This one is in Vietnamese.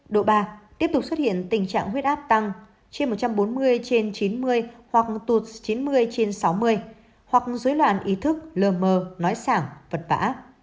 độ ba tiếp tục xuất hiện tình trạng huyết áp tăng trên một trăm bốn mươi trên chín mươi hoặc tụt chín mươi trên sáu mươi hoặc dối loạn ý thức lơ mờ nói sảng vật bã